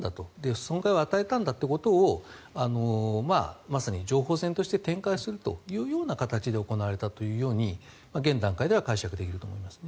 損害を与えたんだということをまさに情報戦として展開するという形で行われたと現段階では解釈できると思います。